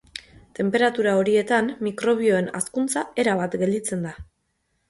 Tenperatura horietan mikrobioen hazkuntza erabat gelditzen da.